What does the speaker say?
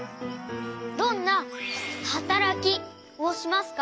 どんなはたらきをしますか？